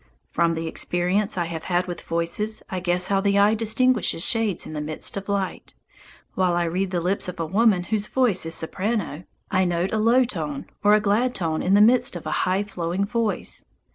From the experience I have had with voices I guess how the eye distinguishes shades in the midst of light. While I read the lips of a woman whose voice is soprano, I note a low tone or a glad tone in the midst of a high, flowing voice.